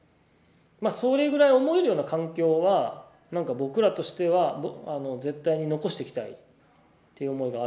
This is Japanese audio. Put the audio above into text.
それぐらい思えるような環境は僕らとしては絶対に残していきたいっていう思いがあるので。